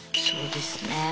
そうですね。